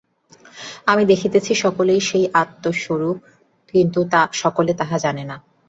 আমি দেখিতেছি, সকলেই সেই আত্মস্বরূপ, কিন্তু সকলে তাহা জানে না।